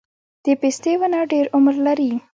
د پستې ونه ډیر عمر لري؟